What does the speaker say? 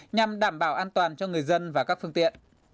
nhằm đảm bảo an toàn cho người dân và các phương tiện